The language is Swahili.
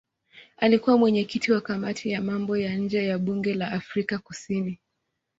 Alikuwa mwenyekiti wa kamati ya mambo ya nje ya bunge la Afrika Kusini.